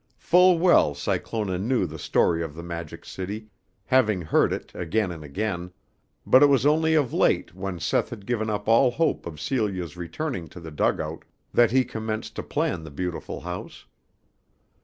Full well Cyclona knew the story of the Magic City, having heard it again and again, but it was only of late when Seth had given up all hope of Celia's returning to the dugout that he commenced to plan the beautiful house.